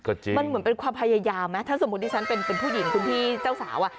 ก็จริงมันเหมือนเป็นความพยายามไหมถ้าสมมุติที่ฉันเป็นผู้หญิงคุณพี่เจ้าสาวอ่ะ